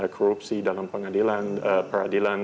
korupsi dalam peradilan